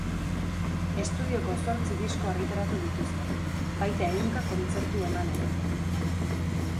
Estudioko zortzi disko argitaratu dituzte, baita ehunka kontzertu eman ere.